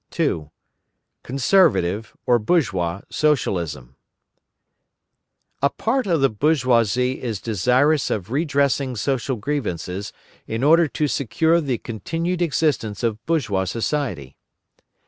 2. CONSERVATIVE, OR BOURGEOIS, SOCIALISM A part of the bourgeoisie is desirous of redressing social grievances, in order to secure the continued existence of bourgeois society.